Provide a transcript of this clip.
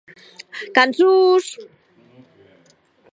Cançons!